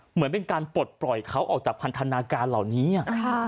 เหมือนเป็นการปลดปล่อยเขาออกจากพันธนาการเหล่านี้